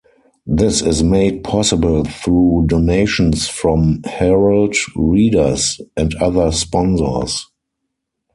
This is made possible through donations from Herald readers and other sponsors.